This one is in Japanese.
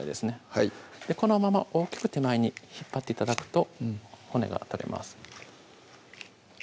はいこのまま大きく手前に引っ張って頂くと骨が取れます